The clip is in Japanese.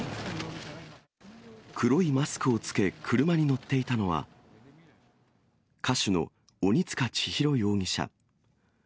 黒いマスクを着け、車に乗っていたのは、歌手の鬼束ちひろ容疑者。